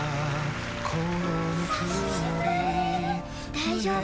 大丈夫。